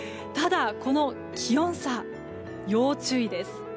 ただ、この気温差、要注意です。